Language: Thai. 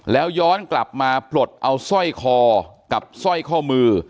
แล้วย้อนกลับมาปลดเอาสร้อยคอกับสร้อยข้อมือ